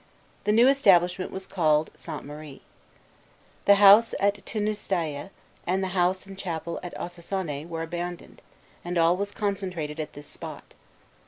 The new establishment was called Sainte Marie. The house at Teanaustayé, and the house and chapel at Ossossané, were abandoned, and all was concentrated at this spot.